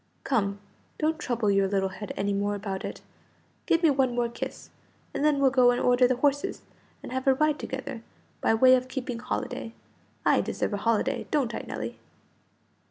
Come, don't trouble your little head any more about it. Give me one more kiss, and then we'll go and order the horses, and have a ride together, by way of keeping holiday. I deserve a holiday, don't I, Nelly?"